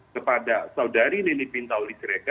kepada saudari lili pintauli